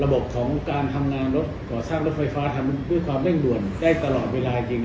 ระบบของการทำงานรถเหยาะรถไฟฟ้าทำมันด้วยความเร่งด่วนได้ตลอดเวลาจริงหน่อย